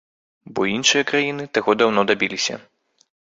Бо іншыя краіны таго даўно дабіліся.